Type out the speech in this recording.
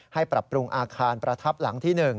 ปรับปรุงอาคารประทับหลังที่๑